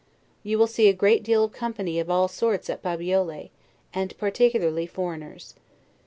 You will see a great deal of company of all sorts at BABIOLE, and particularly foreigners.